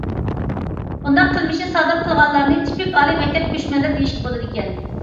بۇنداق قىلمىشنى سادىر قىلغانلارنى تىپىك ئالىي مەكتەپ كۆچمەنلىرى دېيىشكە بولىدىكەن.